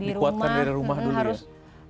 dikuatkan dari rumah dulu ya